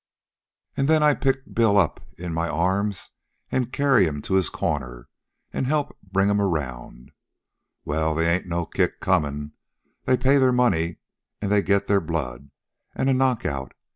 An' then I pick Bill up in my arms an' carry'm to his corner, an' help bring'm around. Well, they ain't no kick comin'. They pay their money an' they get their blood, an' a knockout.